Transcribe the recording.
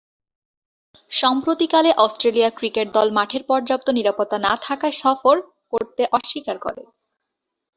সাম্প্রতিককালে Australia cricket দল মাঠের পর্যাপ্ত নিরাপত্তা না থাকায় সফর করতে অস্বীকার করে।